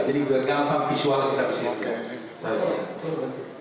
jadi mudah gampang visual kita bisa lihat